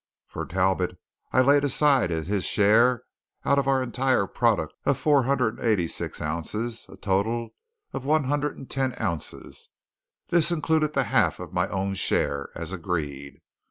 For Talbot I laid aside as his share of our entire product of four hundred and eighty six ounces a total of one hundred and ten ounces. This included the half of my own share, as agreed.